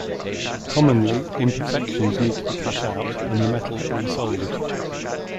Commonly, imperfections need to be cut out, and the metal re-soldered.